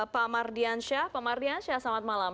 pak mardiansyah pak mardiansyah selamat malam